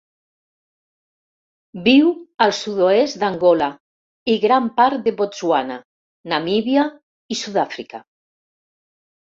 Viu al sud-oest d'Angola i gran part de Botswana, Namíbia i Sud-àfrica.